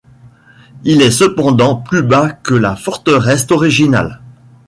Il est cependant plus bas que la forteresse originale.